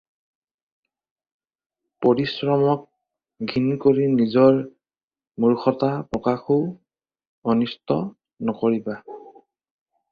পৰিশ্ৰমক ঘিণ কৰি নিজৰ মূৰ্খতা প্ৰকাশ ও অনিষ্ট নকৰিবা।